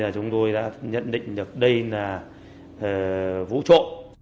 chúng tôi đã nhận định được đây là vũ trụ